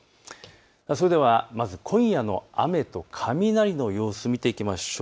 それではまず今夜の雨と雷の様子、見ていきましょう。